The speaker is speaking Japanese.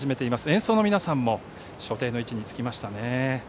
演奏の皆さんも所定の位置につきました。